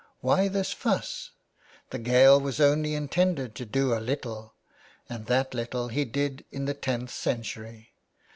Why this fuss ? The Gael was only intended to do a little, and that little he did in the tenth century.